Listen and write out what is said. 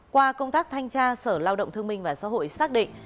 qua công tác thanh tra sở lao động thương minh và xã hội xác định